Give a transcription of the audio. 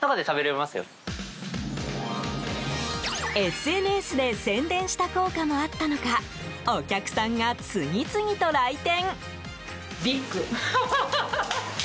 ＳＮＳで宣伝した効果もあったのかお客さんが次々と来店。